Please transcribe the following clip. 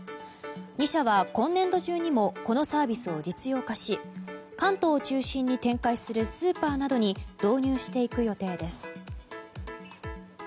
２社は今年度中にもこのサービスを実用化し関東を中心に展開するスーパーなどに導入していく予定です。